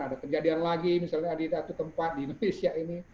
ada kejadian lagi misalnya di satu tempat di indonesia ini